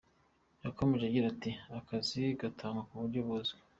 Yakomeje agira ati :" Akazi gatangwa mu buryo buzwi.